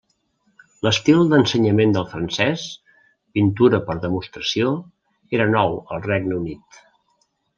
L'estil d'ensenyament del francès, pintura per demostració, era nou al Regne Unit.